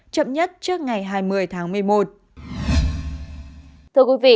chậm nhất trước ngày hai mươi tháng một mươi một